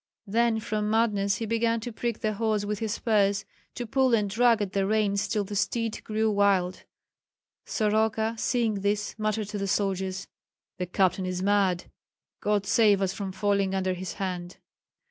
Then from madness he began to prick the horse with his spurs, to pull and drag at the reins till the steed grew wild. Soroka, seeing this, muttered to the soldiers, "The captain is mad. God save us from falling under his hand!"